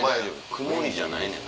曇りじゃないねん。